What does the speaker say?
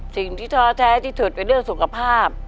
สิ่งที่เท้าแท้ที่สุดเป็นเรื่องสุขภาพ